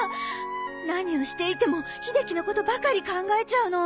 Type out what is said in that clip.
何をしていても秀樹のことばかり考えちゃうの。